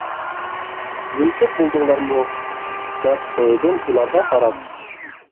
-تىزىملىتىپ بولدۇڭلارمۇ؟ -دەپ سورۇدۇم ئۇلارغا قاراپ.